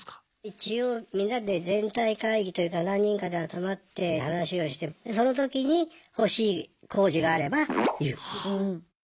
一応みんなで全体会議というか何人かで集まって話をしてでその時に欲しい工事があれば言う。